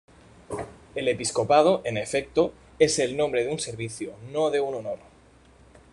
El episcopado, en efecto, es el nombre de un servicio, no de un honor.